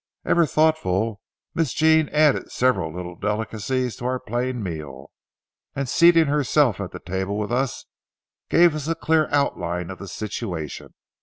Ever thoughtful, Miss Jean added several little delicacies to our plain meal, and, seating herself at the table with us, gave us a clear outline of the situation.